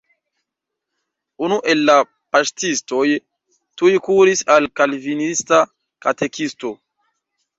Unu el la paŝtistoj tuj kuris al kalvinista katekisto.